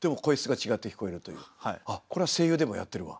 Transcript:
あっこれは声優でもやってるわ。